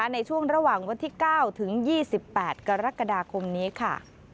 ในช่วงระหว่างวันที่๙ถึง๒๘กรกฎาคมนี้ค่ะ